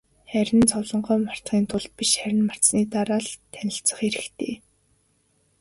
Харин зовлонгоо мартахын тулд биш, харин мартсаны дараа л танилцах хэрэгтэй.